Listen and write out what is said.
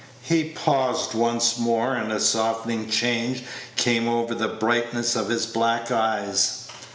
" He paused once more, and a softening change came over the brightness of his black eyes.